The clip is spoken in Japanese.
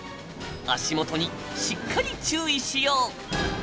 足元にしっかり注意しよう。